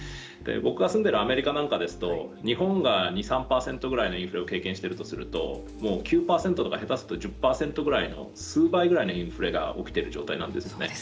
僕が住んでいるアメリカなんかですと日本が２３％ぐらいのインフレを経験しているとするともう９％とか下手すると１０％ぐらいの数倍ぐらいのインフレが起きている状態なんですね。